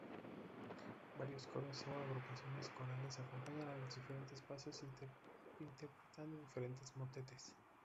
Varios coros o agrupaciones corales, acompañan a los diferentes pasos, interpretando diferentes motetes.